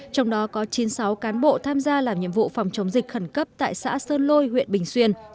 trong đó có chín mươi sáu cán bộ tham gia làm nhiệm vụ phòng chống dịch khẩn cấp tại xã sơn lôi huyện bình xuyên